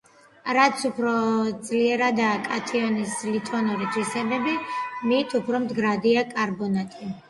რაც უფრო ძლიერადაა კათიონის ლითონური თვისებები, მით უფრო მდგრადია კარბონატი.